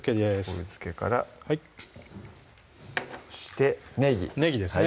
しょうゆ漬けからそしてねぎねぎですね